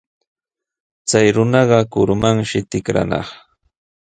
Chay runaqa kurumanshi tikranaq.